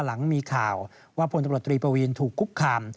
หลังมีข่าวว่าพลตำรวจตรีปวีนถูกคุกคาม